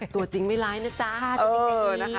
ตัวจริงไม่ร้ายนะจริง